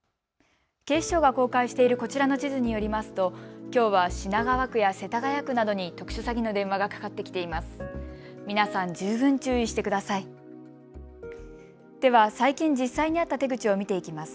警視庁が公開しているこちらの地図によりますときょうは品川区や世田谷区などに特殊詐欺の電話がかかってきています。